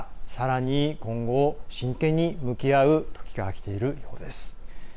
さらに、今後、真剣に向き合う時がきているようです。